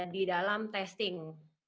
di dalam testing